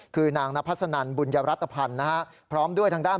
คือนางนพัสนันบุญยรัฐภัณฑ์นะฮะพร้อมด้วยทางด้าน